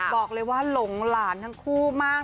บอกเลยว่าหลงหลานทั้งคู่มาก